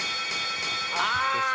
ああ！